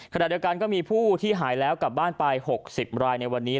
ขณะเดียวกันก็มีผู้ที่หายแล้วกลับบ้านไป๖๐รายในวันนี้